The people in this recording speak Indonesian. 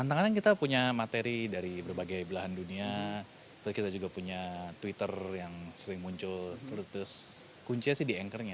tantangan kita punya materi dari berbagai belahan dunia terus kita juga punya twitter yang sering muncul terus terus kuncinya sih di anchornya